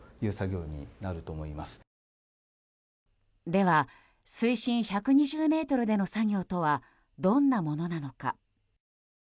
では水深１２０ｍでの作業とはどんなものなのか。